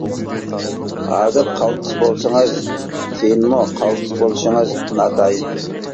ھازىر قالتىس بولسىڭىز كېيىنمۇ قالتىس بولۇشىڭىز ناتايىن.